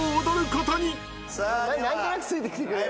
何となくついてきてくれれば。